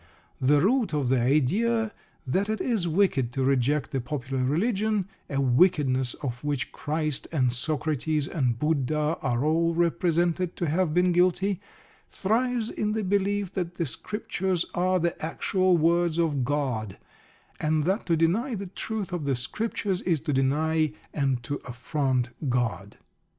The root of the idea that it is wicked to reject the popular religion a wickedness of which Christ and Socrates and Buddha are all represented to have been guilty thrives in the belief that the Scriptures are the actual words of God, and that to deny the truth of the Scriptures is to deny and to affront God.